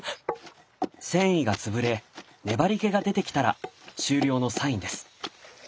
繊維が潰れ粘りけが出てきたら終了のサインです。